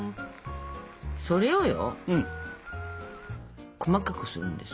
それをよ細かくするんですよ。